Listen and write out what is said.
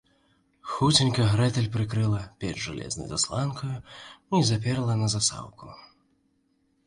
Хуценька Грэтэль прыкрыла печ жалезнай засланкаю і заперла на засаўку